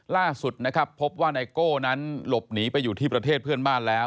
ล่าสุดนะครับพบว่าไนโก้นั้นหลบหนีไปอยู่ที่ประเทศเพื่อนบ้านแล้ว